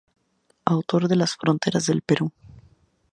Autor de "Las fronteras del Perú".